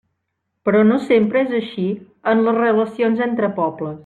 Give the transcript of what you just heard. Però no sempre és així en les relacions entre pobles.